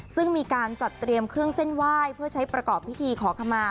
ซึ่งมีการจัดเตรียมเครื่องเส้นไหว้เพื่อใช้ประกอบพิธีขอขมา